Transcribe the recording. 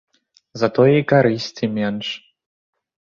Затое і карысці менш.